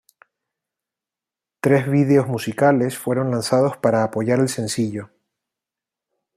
Tres videos musicales fueron lanzados para apoyar el sencillo.